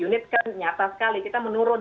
unit kan nyata sekali kita menurun